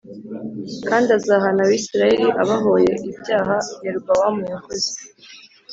Kandi azahāna Abisirayeli abahoye ibyaha Yerobowamu yakoze